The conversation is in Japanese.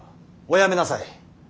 おやめなさい。